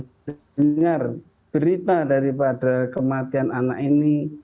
mendengar berita daripada kematian anak ini